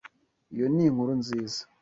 Iyo ni inkuru nziza.